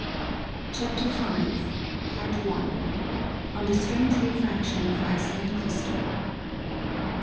CHAPTER V ON THE STRANGE REFRACTION OF ICELAND CRYSTAL 1.